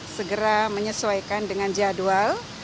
segera menyesuaikan dengan jadwal